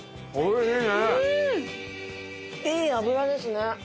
いい脂ですね。